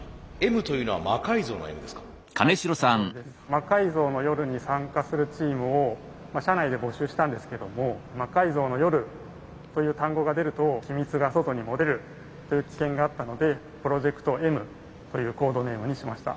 「魔改造の夜」に参加するチームを社内で募集したんですけども「魔改造の夜」という単語が出ると機密が外に漏れるという危険があったので「プロジェクトＭ」というコードネームにしました。